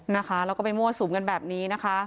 นะคะแล้วก็ไปมั่วสุมกันแบบนี้นะคะ